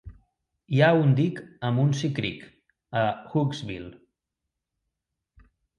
Hi ha un dic a Muncy Creek, a Hughesville.